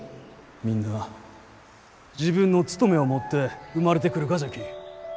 みんな自分の務めを持って生まれてくるがじゃき。